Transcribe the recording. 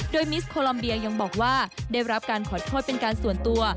โดยมิสโคลอมเบียยังบอกว่าได้รับการขอโทษเป็นการส่วนตัว